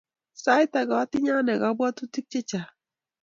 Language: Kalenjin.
Sait ake atinye ane kapwotuyik chechang'